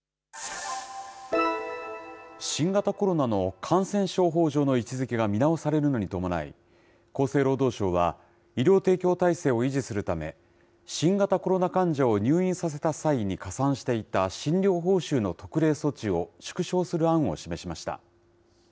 新型コロナの感染症法上の位置づけが見直されるのに伴い、厚生労働省は、医療提供体制を維持するため、新型コロナ患者を入院させた際に加算していた診療報酬の特例措置を縮小する案を示しました。